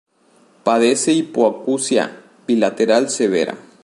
Padece hipoacusia bilateral severa.